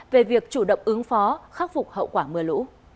về việc chủ động công điện